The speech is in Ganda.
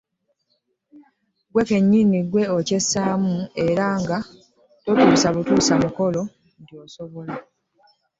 Ggwe kennyini ggwe okyessaamu era nga totuusa butuusa mukolo nti osaba.